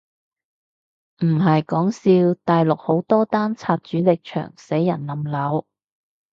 唔係講笑，大陸好多單拆主力牆死人冧樓？